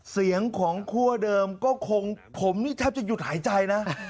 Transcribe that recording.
เสียงของคั่วเดิมก็คงผมนี่แทบจะหยุดหายใจนะ